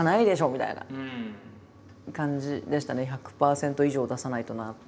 １００％以上を出さないとなって。